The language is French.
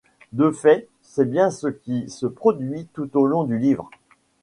De fait, c’est bien ce qui se produit tout au long du livre.